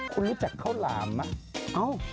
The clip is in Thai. คุณรู้จักข้าวหลามไหม